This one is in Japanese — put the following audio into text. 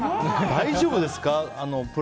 大丈夫ですか？